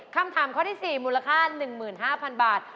คำถามข้อที่๔มูลค่า๑๕๐๐๐บาท